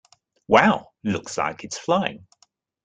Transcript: Wow! It looks like it is flying!